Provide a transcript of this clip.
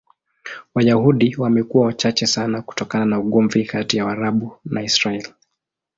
Wayahudi wamekuwa wachache sana kutokana na ugomvi kati ya Waarabu na Israel.